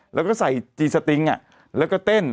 แล้วก็ใส่จีสติงแล้วก็เต้น